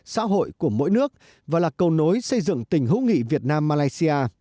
xã hội của mỗi nước và là cầu nối xây dựng tình hữu nghị việt nam malaysia